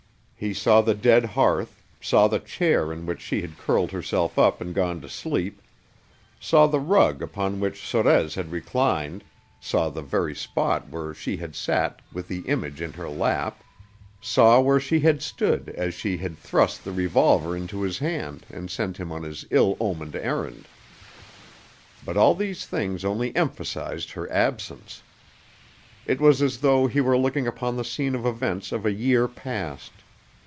He saw the dead hearth, saw the chair in which she had curled herself up and gone to sleep, saw the rug upon which Sorez had reclined, saw the very spot where she had sat with the image in her lap, saw where she had stood as she had thrust the revolver into his hand and sent him on his ill omened errand. But all these things only emphasized her absence. It was as though he were looking upon the scene of events of a year past.